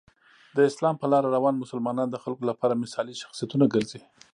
د اسلام په لاره روان مسلمانان د خلکو لپاره مثالي شخصیتونه ګرځي.